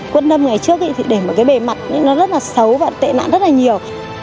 quân năm ngày trước thì để một cái bề mặt nó rất là xấu và tệ nạn rất là nhiều